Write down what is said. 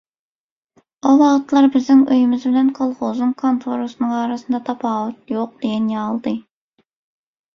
O wagtlar biziň öýmüz bilen kolhozyň kontorasynyň arasynda tapawut ýok diýen ýalydy.